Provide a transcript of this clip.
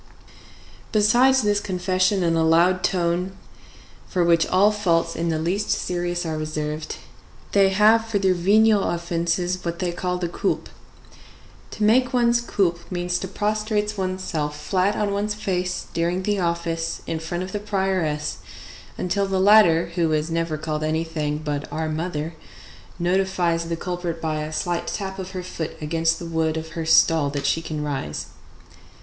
Besides this confession in a loud tone, for which all faults in the least serious are reserved, they have for their venial offences what they call the coulpe. To make one's coulpe means to prostrate one's self flat on one's face during the office in front of the prioress until the latter, who is never called anything but our mother, notifies the culprit by a slight tap of her foot against the wood of her stall that she can rise.